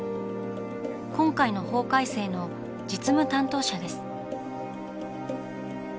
今回の法改正の実務担当者です。